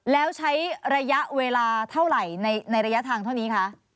แล้วใช้ระยะเวลาเท่าไหร่ในระยะทางเท่านี้คะ